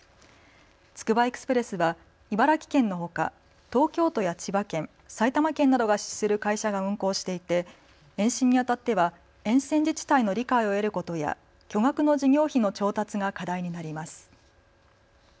つくばエクスプレスは茨城県のほか、東京都や千葉県、埼玉県などが出資する会社が運行していて延伸にあたっては沿線自治体の理解を得ることや巨額の事業費の調達が課題になります。